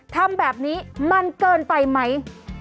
ทำแบบนี้มันเกินไปไหม